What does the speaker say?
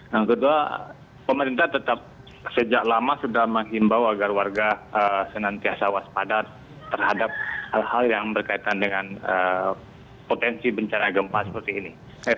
yang kedua pemerintah tetap sejak lama sudah menghimbau agar warga senantiasa waspadat terhadap hal hal yang berkaitan dengan potensi bencana gempa seperti ini